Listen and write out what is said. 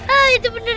ah itu beneran